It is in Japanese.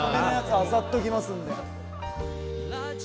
漁っときますんで。